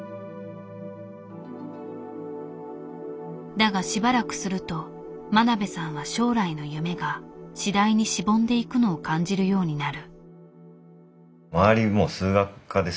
だがしばらくすると真鍋さんは将来の夢が次第にしぼんでいくのを感じるようになる。